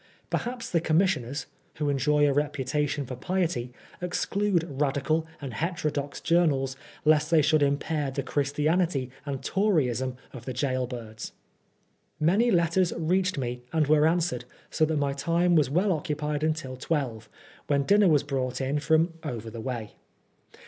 Perhaps the Commissioners, who enjoy a reputation for piety, exclude Radical and hete rodox journals lest they should impair the Christianity and Toryism of the gaol birds. Many letters reached me and were answered, so that my time was well occupied until twelve, when dinner was brought in from " over the way."